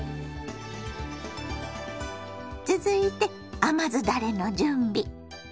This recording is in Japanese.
続いて甘酢だれの準備。